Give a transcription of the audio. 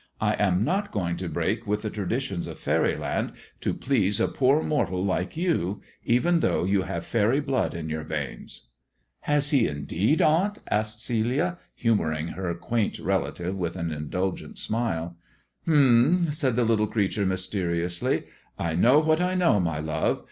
" I am not going to break with the traditions of faery land to please a poor mortal like you, even though you have faery blood in your veins." Has he indeed, aunt 1 " asked Celia, humouring her quaint relative, with an indulgent smile. " H*m !" said the little creature mysteriously. I know what I know, my love.